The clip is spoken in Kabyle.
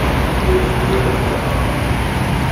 Ur yelli ara akk d anamar.